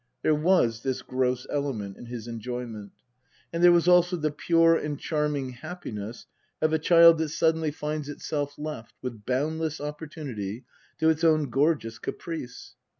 There was this gross element in his enjoyment. And there was also the pure and charming happiness of a child that suddenly finds itself left, with boundless opportunity, to its own gorgeous caprice.